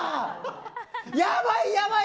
やばい、やばい！